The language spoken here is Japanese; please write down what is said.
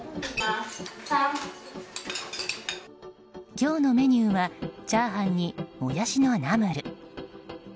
今日のメニューはチャーハンにモヤシのナムル。